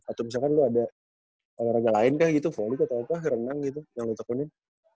atau misalkan lo ada olahraga lain kah gitu folley atau apa renang gitu yang lo tekunin